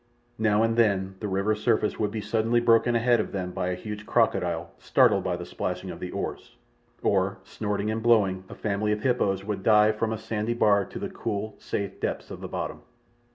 Now and then the river's surface would be suddenly broken ahead of them by a huge crocodile, startled by the splashing of the oars, or, snorting and blowing, a family of hippos would dive from a sandy bar to the cool, safe depths of the bottom.